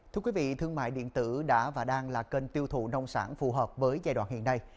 thưa quý vị thương mại điện tử đã và đang là kênh tiêu thụ nông sản phù hợp với giai đoạn hiện nay